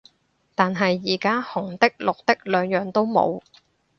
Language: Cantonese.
但係而家紅的綠的兩樣都冇